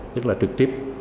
của chúng tôi